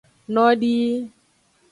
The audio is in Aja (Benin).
Nodii.